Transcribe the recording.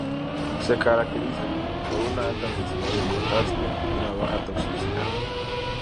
Se caracterizan por una alta densidad de contraste y una baja toxicidad.